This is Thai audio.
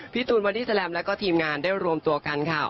ตูนบอดี้แลมแล้วก็ทีมงานได้รวมตัวกันค่ะ